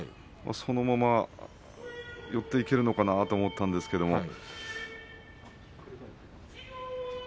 そのまま、寄っていけるのかなと思ったんですけれど。